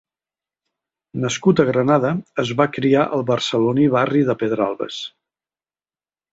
Nascut a Granada, es va criar al barceloní barri de Pedralbes.